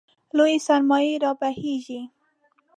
لویې سرمایې رابهېږي.